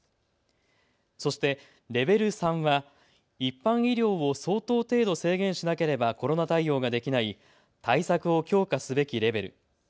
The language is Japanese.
そして、レベル３は一般医療を相当程度、制限しなければコロナ対応ができない対策を強化すべきレベル。